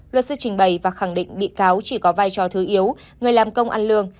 luật sư trình bày và khẳng định bị cáo chỉ có vai trò thứ yếu người làm công ăn lương